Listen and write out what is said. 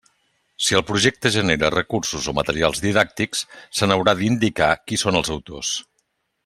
Si el projecte genera recursos o materials didàctics se n'haurà d'indicar qui són els autors.